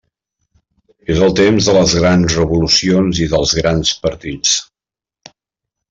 És el temps de les grans revolucions i dels grans partits.